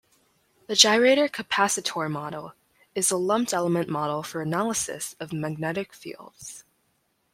The gyrator-capacitor model is a lumped-element model for analysis of magnetic fields.